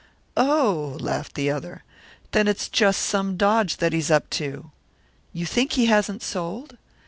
"Oh!" laughed the other. "Then it's just some dodge that he's up to!" "You think he hasn't sold?"